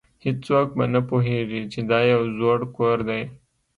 هیڅوک به نه پوهیږي چې دا یو زوړ کور دی